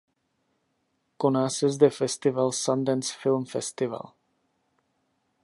Koná se zde festival Sundance Film Festival.